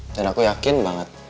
dan aku yakin banget